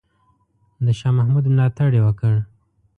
د شاه محمود ملاتړ یې وکړ.